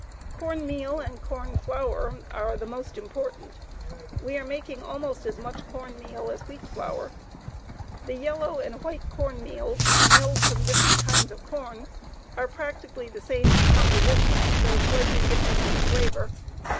Corn meal and corn flour are the most important. We are making almost as much corn meal as wheat flour. The yellow and white corn meals, milled from different kinds of corn, are practically the same in composition, though slightly different in flavor.